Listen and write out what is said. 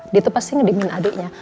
dia tuh pasti ngedimin adiknya